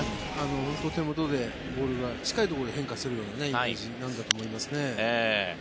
手元でボールが近いところで変化するようなイメージなんだと思いますね。